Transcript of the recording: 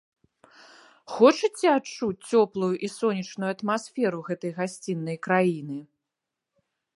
Хочаце адчуць цёплую і сонечную атмасферу гэтай гасціннай краіны?